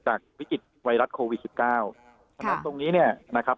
วิกฤตไวรัสโควิดสิบเก้าเพราะฉะนั้นตรงนี้เนี่ยนะครับ